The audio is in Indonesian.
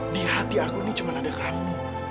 di hati aku ini cuman ada kamu